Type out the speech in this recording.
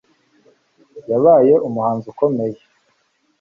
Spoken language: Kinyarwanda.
Yabaye umuhanzi ukomeye